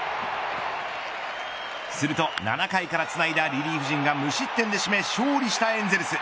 すると７回からつないだリリーフ陣が無失点で締め勝利したエンゼルス。